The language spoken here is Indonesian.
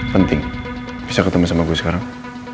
penting bisa ketemu sama guru sekarang